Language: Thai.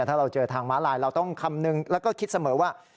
ถ้าเราเจอทางม้าลายเราต้องคำนึงแล้วก็คิดเสมอว่า